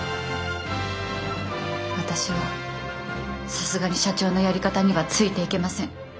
私はさすがに社長のやり方にはついていけません。